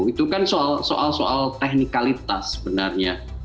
itu kan soal soal teknikalitas sebenarnya